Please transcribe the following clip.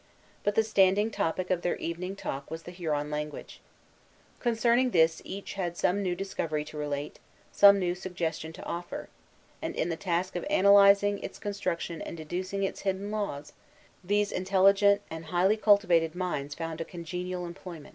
But the standing topic of their evening talk was the Huron language. Concerning this each had some new discovery to relate, some new suggestion to offer; and in the task of analyzing its construction and deducing its hidden laws, these intelligent and highly cultivated minds found a congenial employment.